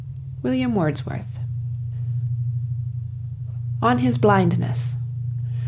WILLIAM WORDSWORTH. ON HIS BLINDNESS.